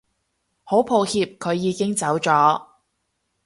好抱歉佢已經走咗